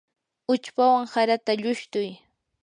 uchpawan harata llushtuy.